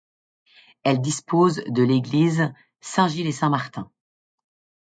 Elle dispose de l'église Saint-Gilles-et-Saint-Martin.